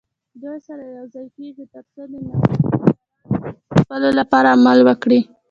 دوی سره یوځای کېږي ترڅو د نوفکرانو د ځپلو لپاره عمل وکړي